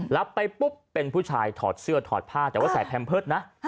รับไปปุ๊บเป็นผู้ชายถอดเสื้อถอดผ้าแต่ว่าใส่แพมเพิร์ตนะ